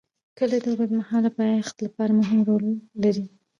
کلي د اوږدمهاله پایښت لپاره مهم رول لري.